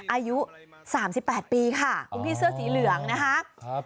อายุ๓๘ปีค่ะคุณพี่เสื้อสีเหลืองนะคะ